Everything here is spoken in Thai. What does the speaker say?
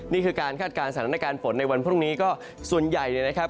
นี่คือการคาดการณ์สถานการณ์ฝนในวันพรุ่งนี้ก็ส่วนใหญ่เนี่ยนะครับ